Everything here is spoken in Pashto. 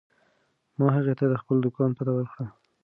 ما هغې ته د خپل دوکان پته ورکړه.